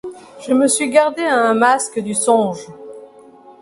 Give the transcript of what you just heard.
Je me suis gardée à un masque du songe.